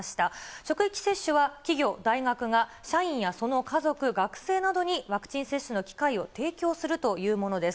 職域接種は企業、大学が社員やその家族、学生などにワクチン接種の機会を提供するというものです。